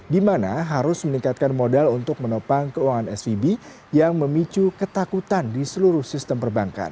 di mana harus meningkatkan modal untuk menopang keuangan svb yang memicu ketakutan di seluruh sistem perbankan